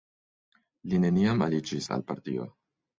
Li neniam aliĝis al partio.